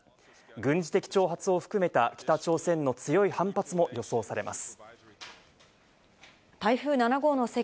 軍事的挑発を含めた北朝鮮の強い反発も予想されます。